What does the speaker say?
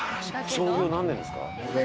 創業何年ですか？